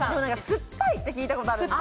酸っぱいって聞いたことある。